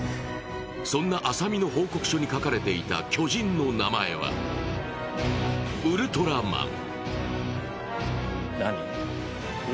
そんな浅見の報告書に書かれていた巨人の名前はウルトラマン。